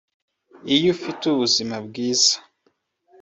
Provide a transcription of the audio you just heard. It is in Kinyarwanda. Iyo ufite ubuzima bwiza